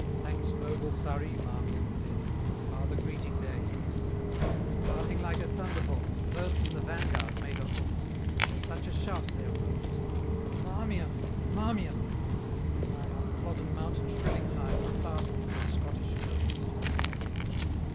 'Thanks, noble Surrey!' Marmion said, Nor farther greeting there he paid; But, parting like a thunderbolt, First in the vanguard made a halt, 730 Where such a shout there rose Of 'Marmion! Marmion!' that the cry, Up Flodden mountain shrilling high, Startled the Scottish foes.